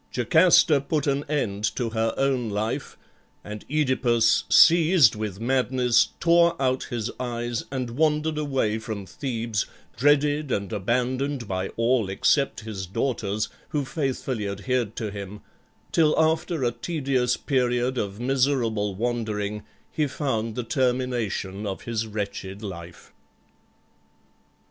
Jocasta put an end to her own life, and OEdipus, seized with madness, tore out his eyes and wandered away from Thebes, dreaded and abandoned by all except his daughters, who faithfully adhered to him, till after a tedious period of miserable wandering he found the termination of his wretched life.